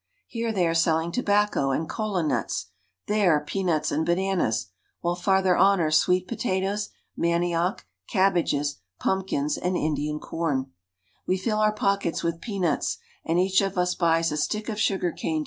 Here they are selling tobacco and kola nuts, ^^^B there, peanuts and bananas, while farther on are sweet ^^H potatoes, manioc, cabbages, pumpkins, and Indian corn, ^^^r We fill our pockets with peanuts, and each of us buys a 1 stick of sufjar cani?